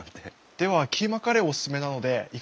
ではキーマカレーおすすめなのでいかがですか？